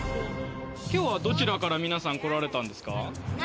今日はどちらから皆さん来られたんですか？